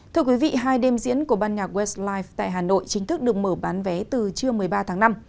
thưa quý vị hai đêm diễn của ban nhạc west life tại hà nội chính thức được mở bán vé từ trưa một mươi ba tháng năm